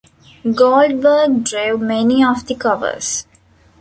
Goldberg drew many of the covers.